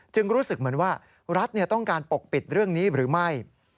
รู้สึกเหมือนว่ารัฐต้องการปกปิดเรื่องนี้หรือไม่